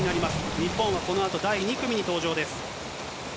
日本はこのあと第２組に登場です。